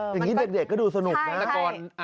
อย่างนี้เด็กก็ดูสนุกนะ